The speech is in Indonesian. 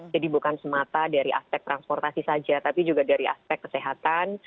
jadi bukan semata dari aspek transportasi saja tapi juga dari aspek kesehatan